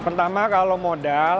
pertama kalau modal